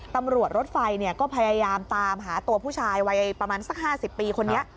รถไฟก็พยายามตามหาตัวผู้ชายวัยประมาณสัก๕๐ปีคนนี้